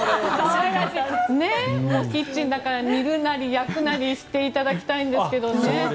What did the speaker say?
キッチンだから煮るなり、焼くなりしていただきたいんですけど。